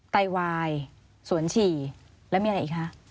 ไตวายสวนฉี่แล้วมีอะไรอีกคะ